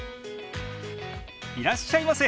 いらっしゃいませ！